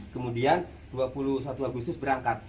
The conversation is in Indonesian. kemudian dua puluh satu agustus berangkat